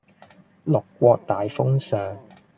六國大封相